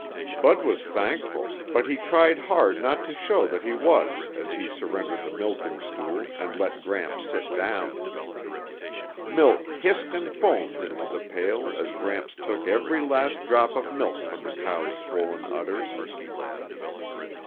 Bud was thankful, but he tried hard not to show that he was as he surrendered the milking stool and let Gramps sit down. Milk hissed and foamed into the pail as Gramps took every last drop of milk from the cow's swollen udders.